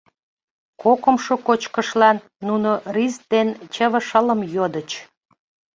Кокымшо кочкышлан нуно рис ден чыве шылым йодыч.